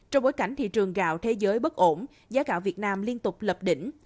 trong bối cảnh thị trường gạo thế giới bất ổn giá gạo việt nam liên tục lập đỉnh